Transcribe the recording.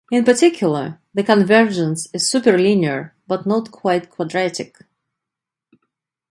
In particular, the convergence is superlinear, but not quite quadratic.